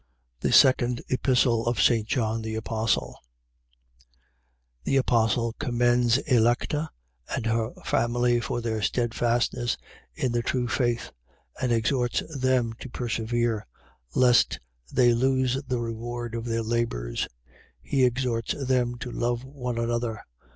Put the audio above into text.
THE SECOND EPISTLE OF ST. JOHN THE APOSTLE The Apostle commends Electa and her family for their steadfastness in the true faith and exhorts them to persevere, lest they lose the reward of their labours. He exhorts them to love one another.